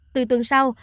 từ tuần sau